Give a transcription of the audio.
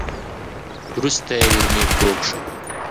وروسته یې ورمېږ کوږ شو .